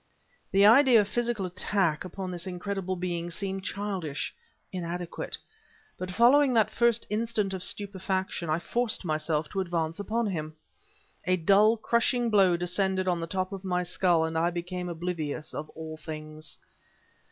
The idea of physical attack upon this incredible being seemed childish inadequate. But, following that first instant of stupefaction, I forced myself to advance upon him. A dull, crushing blow descended on the top of my skull, and I became oblivious of all things.